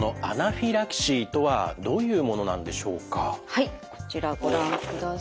はいこちらご覧ください。